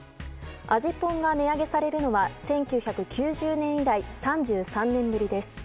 味ぽんが値上げされるのは１９９０年以来３３年ぶりです。